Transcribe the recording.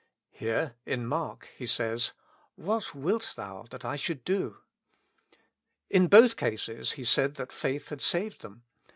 Here, in Mark, He says :" What wilt thou that I should do? " In both cases He said that faith had saved them.